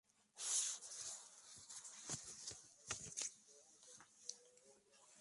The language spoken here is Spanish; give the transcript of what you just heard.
Al año siguiente cesó como alcalde, dedicándose plenamente a sus negocios.